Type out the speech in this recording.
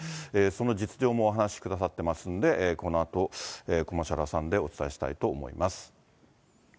その実情もお話しくださってますんで、このあと、コマーシャル挟んで、お伝えしたいと思います。